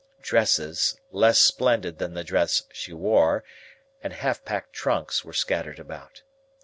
Dresses, less splendid than the dress she wore, and half packed trunks, were scattered about.